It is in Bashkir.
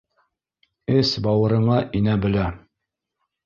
Эс-бауырыңа инә белә